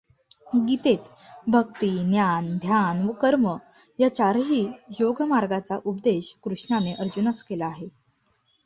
गीतेत भक्ती, ज्ञान, ध्यान व कर्म या चारही योगमार्गांचा उपदेश कृष्णाने अर्जुनास केला आहे.